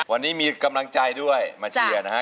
วันนี้มีกำลังใจด้วยมาเชียร์นะฮะ